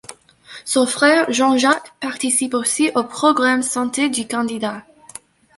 Son frère Jean-Jacques participe aussi au programme santé du candidat.